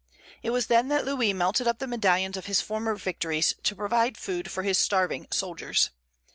It was then that Louis melted up the medallions of his former victories, to provide food for his starving soldiers.